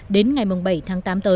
đến ngày bảy tháng năm